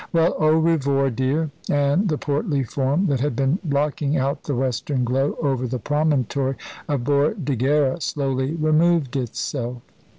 Well, O revore, dear," and the portly form that had been blocking out the western glow over the promontory of Bordighera slowly removed itself.